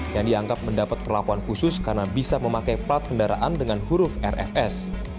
yang dianggap mendapat perlakuan khusus karena bisa memakai plat kendaraan dengan huruf rfs